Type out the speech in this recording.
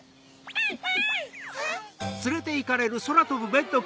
アンアン！